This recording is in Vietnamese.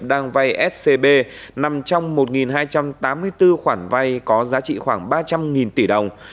đang vay scb nằm trong một hai trăm tám mươi bốn khoản vay có giá trị khoảng ba trăm linh tỷ đồng